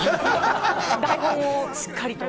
台本をしっかりと。